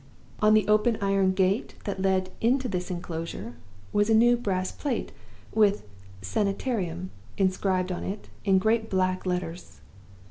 On the open iron gate that led into this inclosure was a new brass plate, with 'Sanitarium' inscribed on it in great black letters.